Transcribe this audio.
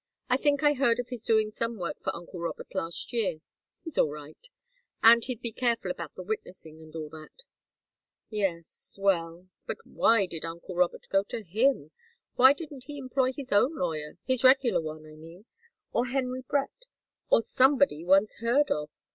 I think I heard of his doing some work for uncle Robert last year. He's all right. And he'd be careful about the witnessing and all that." "Yes well but why did uncle Robert go to him? Why didn't he employ his own lawyer his regular one, I mean or Henry Brett, or somebody one's heard of?